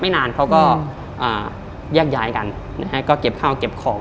นานเขาก็แยกย้ายกันนะฮะก็เก็บข้าวเก็บของ